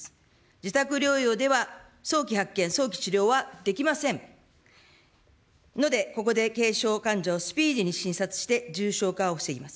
自宅療養では、早期発見、早期治療はできませんので、ここで軽症患者をスピーディーに診察して重症化を防ぎます。